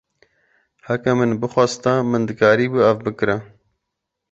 Heke min bixwasta min dikaribû ev bikira.